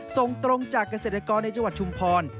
ส่งตรงจากเกษตรกรในจังหวัดชุมพร